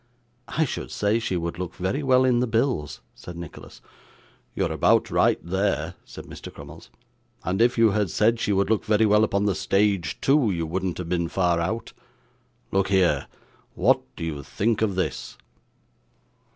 'I should say she would look very well in the bills,' said Nicholas. 'You're about right there,' said Mr. Crummles; 'and if you had said she would look very well upon the stage too, you wouldn't have been far out. Look here; what do you think of this?